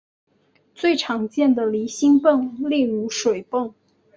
最常见的离心泵例如水泵。